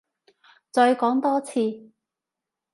再講多次？